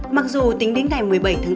mặc dù tính đến ngày một mươi bảy tháng bốn